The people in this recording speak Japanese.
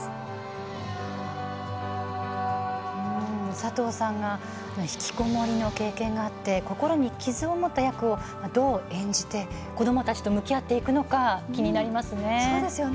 佐藤さんが引きこもりの経験があって心に傷を持った役をどう演じて子どもたちと向き合っていくのか気になりますね。